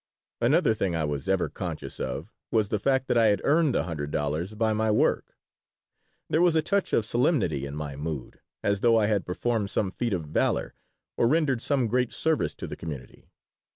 Another thing I was ever conscious of was the fact that I had earned the hundred dollars by my work. There was a touch of solemnity in my mood, as though I had performed some feat of valor or rendered some great service to the community.